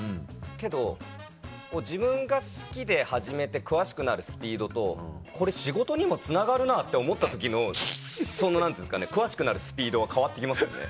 けど自分が好きで始めて詳しくなるスピードとこれ仕事にもつながるなって思った時の何ていうんですかね詳しくなるスピードは変わって来ますよね。